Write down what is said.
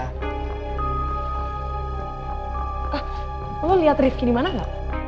ah lo liat rifki dimana gak